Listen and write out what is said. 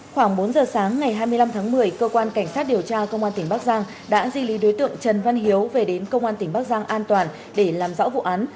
khoảng bốn giờ sáng ngày hai mươi năm tháng một mươi cơ quan cảnh sát điều tra công an tỉnh bắc giang đã di lý đối tượng trần văn hiếu về đến công an tỉnh bắc giang an toàn để làm rõ vụ án